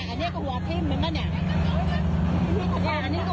เห็นไอ้เล็กลำเล็กสีฟ้าเหมือนกัน